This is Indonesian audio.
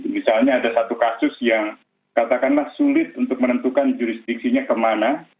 misalnya ada satu kasus yang katakanlah sulit untuk menentukan jurisdiksinya kemana